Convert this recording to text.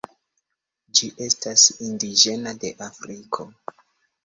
Ĝi estas indiĝena de Afriko.